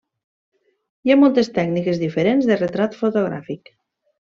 Hi ha moltes tècniques diferents de retrat fotogràfic.